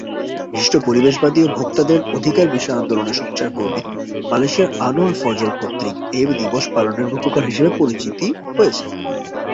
বিশিষ্ট পরিবেশবাদী ও ভোক্তাদের অধিকার বিষয়ে আন্দোলনে সোচ্চার কর্মী মালয়েশিয়ার আনোয়ার ফজল কর্তৃক এ দিবস পালনের রূপকার হিসেবে পরিচিতি হয়েছেন।